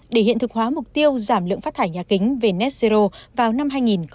để hiện thực hóa mục tiêu giảm lượng phát thải nhà kính về net zero vào năm hai nghìn ba mươi